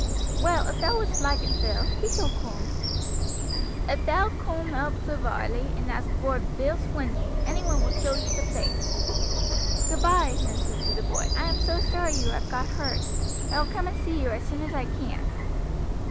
"Well, if thou would'st like it, Bill, he shall coom." "If thou coom oop to Varley and ask vor Bill Swinton, anyone will show ee the place." "Goodby," Ned said to the boy, "I am so sorry you have got hurt. I will come and see you as soon as I can."